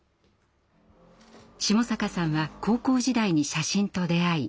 下坂さんは高校時代に写真と出会い